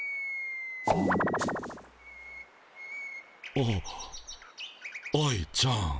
あ愛ちゃん。